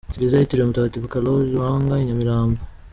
Kiliziya yitiriwe Mutagatifu Karoli Lwanga i Nyamirambo.